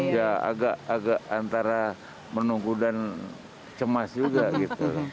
ya agak agak antara menunggu dan cemas juga gitu